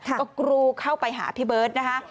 ก็กรูเข้าไปหาพี่เบิร์ตนะคะ